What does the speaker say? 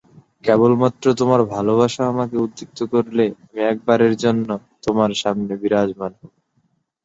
কেবলমাত্র তোমার ভালোবাসা আমাকে উদ্দীপিত করলে আমি একবারের জন্যে তোমার সামনে বিরাজমান হব।'